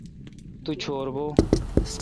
تو چور بھو۔